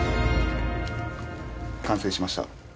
完成しました。